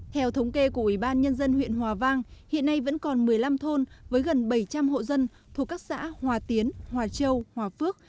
theo thống kê của ủy ban nhân dân huyện hòa vang hiện nay vẫn còn một mươi năm thôn với gần bảy trăm linh hộ dân thuộc các xã hòa tiến hòa châu hòa phước